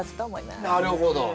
なるほど。